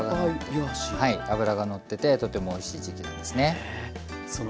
脂がのっててとてもおいしい時期なんですね。